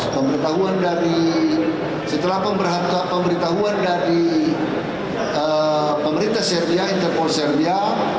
pemberitahuan dari setelah pemberitahuan dari pemerintah servia interpol serbia